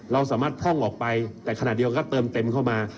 เราสามารถพร่องออกไปแต่ขณะเดียวกันก็เติมเต็มเข้ามา